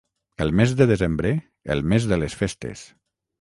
El mes de desembre, el mes de les festes.